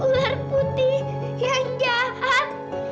ular putih yang jahat